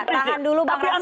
tahan dulu bang rasman